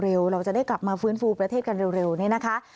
เราจะได้กลับมาฟื้นฟูประเทศกันเร็วนี่นะคะ